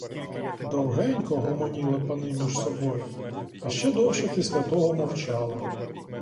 Довгенько гомоніли пани між собою, а ще довше після того мовчали.